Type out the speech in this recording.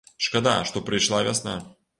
Шкада, што прыйшла вясна.